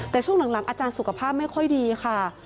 แต่ช่วงหลังอาจารย์สุขภาพไม่ค่อยดีค่ะ